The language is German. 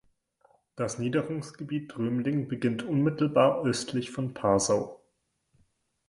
Das Niederungsgebiet Drömling beginnt unmittelbar östlich von Parsau.